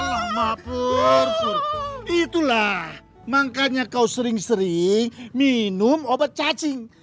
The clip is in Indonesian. alhamdulillah bang batar itulah makanya kau sering sering minum obat cacing